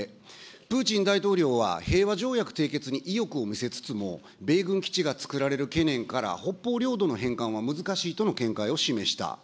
プーチン大統領は平和条約締結に意欲を見せつつも、米軍基地がつくられる懸念から、北方領土の返還は難しいとの見解を示した。